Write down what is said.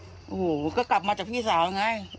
โอ้โหก็กลับมาจากพี่สาวไง